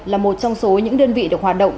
là một trong số những đơn vị được hoạt động